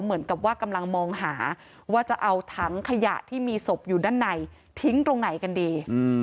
เหมือนกับว่ากำลังมองหาว่าจะเอาถังขยะที่มีศพอยู่ด้านในทิ้งตรงไหนกันดี